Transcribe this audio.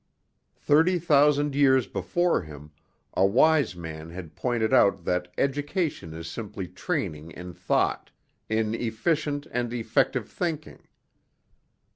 Thirty thousand years before him, a wise man had pointed out that education is simply training in thought, in efficient and effective thinking.